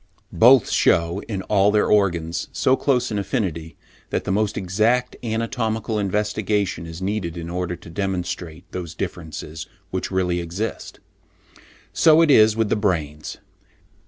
Both shew, in all their organs, so close an affinity, that the most exact anatomical investigation is needed in order to demonstrate those differences which really exist. So it is with the brains.